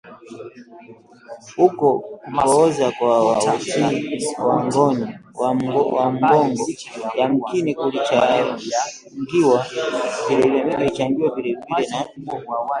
Huko kupooza kwa uti wa mgongo yamkini kulichangiwa vilevile na